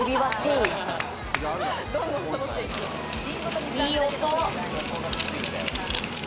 いい音。